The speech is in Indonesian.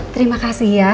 terima kasih ya